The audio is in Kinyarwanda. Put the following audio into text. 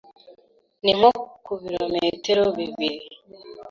Ni nko ku bilometero bibiri.